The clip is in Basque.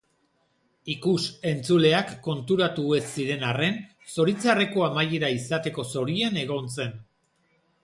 Ikus-entzuleak konturatu ez ziren arren, zoritxarreko amaiera izateko zorian egon zen.